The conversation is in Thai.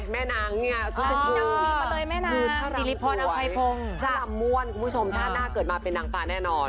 แม่นางเนี่ยคือถ่ารำควรถ่ารำมวลคุณผู้ชมถ้าหน้าเกิดมาเป็นนางตาแน่นอน